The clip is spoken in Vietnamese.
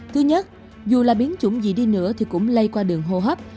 thứ nhất dù là biến chủng gì đi nữa thì cũng lây qua đường hô hấp